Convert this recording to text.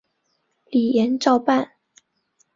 李俨照办。